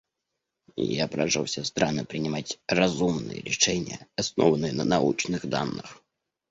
Я прошу все страны принимать разумные решения, основанные на научных данных.